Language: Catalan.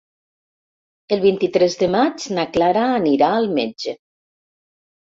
El vint-i-tres de maig na Clara anirà al metge.